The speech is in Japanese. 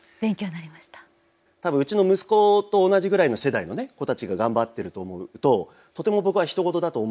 たぶんうちの息子と同じぐらいの世代の子たちが頑張ってると思うととても僕はひと事だと思えなくて。